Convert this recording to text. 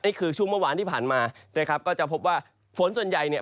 ช่วงเมื่อวานที่ผ่านมานะครับก็จะพบว่าฝนส่วนใหญ่เนี่ย